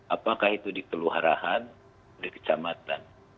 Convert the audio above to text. apakah itu di kelurahan di kecamatan